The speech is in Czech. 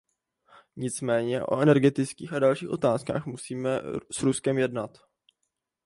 Nicméně o energetických a dalších otázkách musíme s Ruskem jednat.